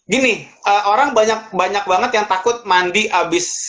gini orang banyak banget yang takut mandi abis